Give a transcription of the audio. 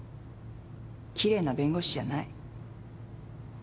「キレイな弁護士」じゃない。